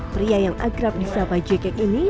pria yang agrab di sapa jeket ini